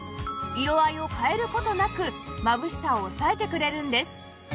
色合いを変える事なくまぶしさを抑えてくれるんです